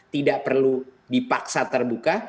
tidak perlu dipaksa terbuka